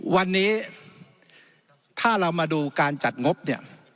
วันนี้ถ้าเรามาดูการจัดงบเนี่ย